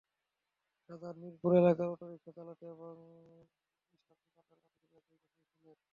শাহজাহান মিরপুর এলাকায় অটোরিকশা চালাতেন এবং ইসলাম শিকদার মতিঝিলে একই পেশায় ছিলেন।